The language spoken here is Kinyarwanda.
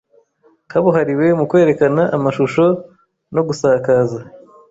kabuhariwe mu kwerekana amashusho no gusakaza